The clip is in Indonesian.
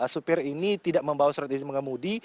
supir ini tidak membawa surat surat pengemudi